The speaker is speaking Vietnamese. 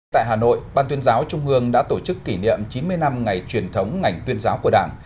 tại hà nội ban tuyên giáo trung ương đã tổ chức kỷ niệm chín mươi năm ngày truyền thống ngành tuyên giáo của đảng